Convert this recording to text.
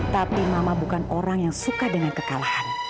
tapi mama bukan orang yang suka dengan kekalahan